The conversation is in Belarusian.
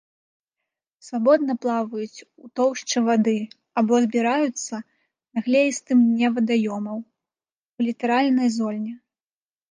Свабодна плаваюць у тоўшчы вады або збіраюцца на глеістым дне вадаёмаў, у літаральнай зоне.